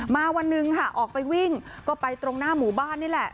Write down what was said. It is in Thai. วันหนึ่งค่ะออกไปวิ่งก็ไปตรงหน้าหมู่บ้านนี่แหละ